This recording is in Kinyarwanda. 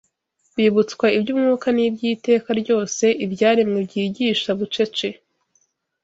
bibutswa iby’umwuka n’iby’iteka ryose ibyaremwe byigisha bucece